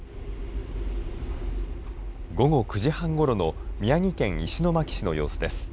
午後９時半ごろの宮城県石巻市の様子です。